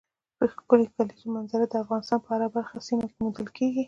ښکلې کلیزو منظره د افغانستان په هره برخه او سیمه کې موندل کېږي.